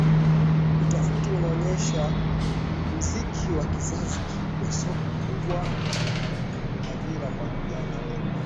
Utafiti unaonyesha muziki wa kizazi kipya soko kubwa na ni ajira kwa vijana wengi